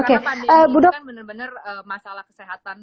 karena pandemi kan bener bener masalah kesehatan